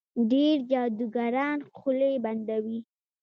ډېر جادوګران خولې بندوي.